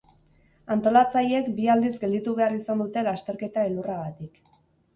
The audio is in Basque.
Antolatzaileek bi aldiz gelditu behar izan dute lasterketa elurragatik.